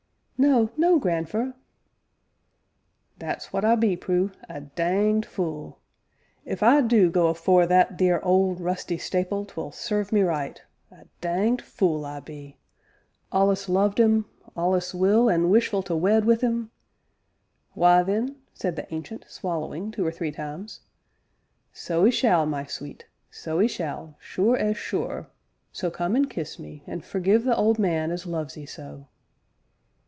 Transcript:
"No, no, grandfer!" "That's what I be, Prue a danged fule! If I do go afore that theer old, rusty stapil, 'twill serve me right a danged fule I be! Allus loved 'im allus will, an' wishful to wed wi' 'im! Why, then," said the Ancient, swallowing two or three times, "so 'ee shall, my sweet so 'ee shall, sure as sure, so come an' kiss me, an' forgive the old man as loves 'ee so."